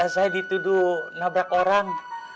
saya dituduh nabrak orang